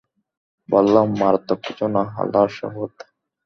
বললাম, মারাত্মক কিছুই না, আল্লাহর শপথ!